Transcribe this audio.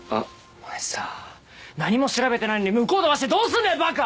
お前さ何も調べてないのに向こう飛ばしてどうすんだよバカ！